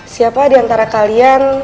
siapa di antara kalian